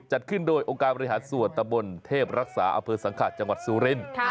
จัดขึ้นโดยองค์การบริหารสวทบลเทพรักษาอเภอสังคัตจังหวัดซูเรน